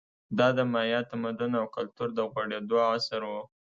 دا د مایا تمدن او کلتور د غوړېدو عصر و